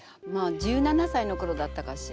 １７さいのころだったかしら。